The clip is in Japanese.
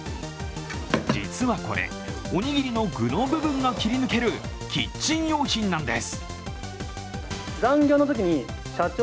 実はこれ、おにぎりの具の部分が切り抜けるキッチン用品なんです。